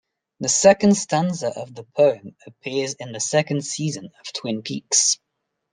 The second stanza of the poem appears in the second season of Twin Peaks.